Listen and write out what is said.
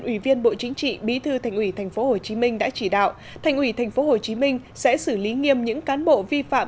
ủy viên bộ chính trị bí thư thành ủy tp hcm đã chỉ đạo thành ủy tp hcm sẽ xử lý nghiêm những cán bộ vi phạm